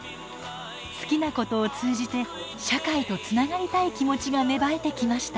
好きなことを通じて社会とつながりたい気持ちが芽生えてきました。